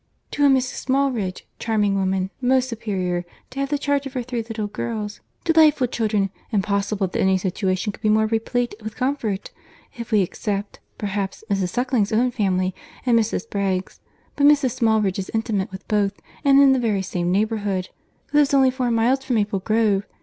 "To a Mrs. Smallridge—charming woman—most superior—to have the charge of her three little girls—delightful children. Impossible that any situation could be more replete with comfort; if we except, perhaps, Mrs. Suckling's own family, and Mrs. Bragge's; but Mrs. Smallridge is intimate with both, and in the very same neighbourhood:—lives only four miles from Maple Grove.